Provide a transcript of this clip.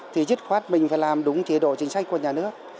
thì dứt khoát mình phải làm đúng chế độ chính sách của nhà nước